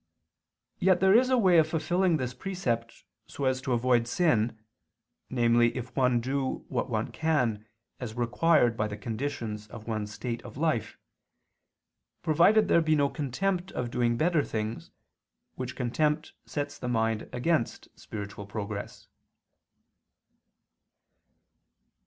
Yet there is a way of fulfilling this precept, so as to avoid sin, namely if one do what one can as required by the conditions of one's state of life: provided there be no contempt of doing better things, which contempt sets the mind against spiritual progress.